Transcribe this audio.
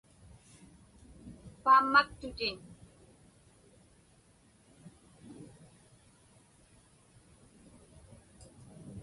Paammaktutin.